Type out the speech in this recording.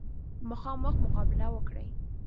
مخامخ مقابله وکړي.